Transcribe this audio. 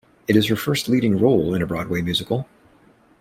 It is her first leading role in a Broadway musical.